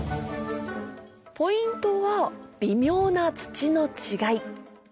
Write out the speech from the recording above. ポイントは微妙な土の違い